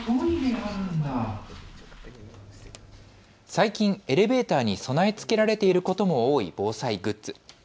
最近、エレベーターに備え付けられていることも多い防災グッズ。